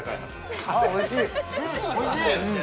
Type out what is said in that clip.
おいしい！